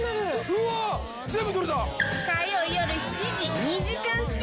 うわ全部取れた！